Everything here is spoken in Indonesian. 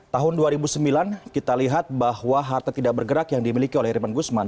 tahun dua ribu sembilan kita lihat bahwa harta tidak bergerak yang dimiliki oleh irman gusman